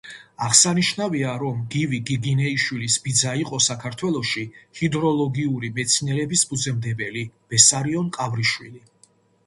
აღსანიშნავია, რომ გივი გიგინეიშვილის ბიძა იყო საქართველოში ჰიდროლოგიური მეცნიერების ფუძემდებელი ბესარიონ ყავრიშვილი.